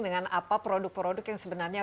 dengan apa produk produk yang sebenarnya